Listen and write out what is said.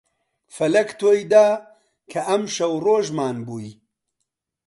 فەلەک تۆی دا کە ئەمشەو ڕۆژمان بووی